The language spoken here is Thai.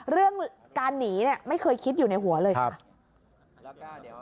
เรื่องการหนีเนี่ยไม่เคยคิดอยู่ในหัวเลยค่ะ